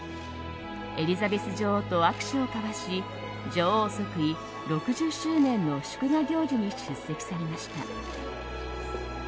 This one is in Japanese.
エリザベス女王と握手を交わし女王即位６０周年の祝賀行事に出席されました。